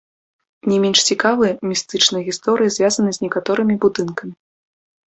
Не менш цікавыя містычныя гісторыі звязаныя з некаторымі будынкамі.